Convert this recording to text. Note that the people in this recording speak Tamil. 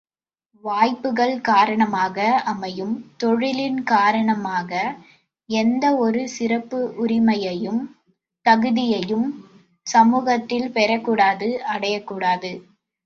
வாய்ப்புக்கள் காரணமாக அமையும் தொழிலின் காரணமாக எந்த ஒரு சிறப்பு உரிமையையும் தகுதியையும் சமூகத்தில் பெறக்கூடாது அடையக்கூடாது.